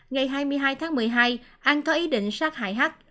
ngày hai mươi hai tháng một mươi hai an có ý định sát hại h